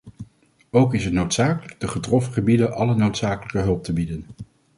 Ook is het noodzakelijk de getroffen gebieden alle noodzakelijke hulp te bieden.